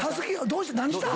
どうした？